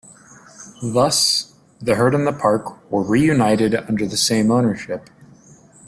Thus, the herd and the park were reunited under the same ownership.